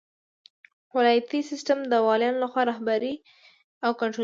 ولایتي سیسټم د والیانو لخوا رهبري او کنټرولیږي.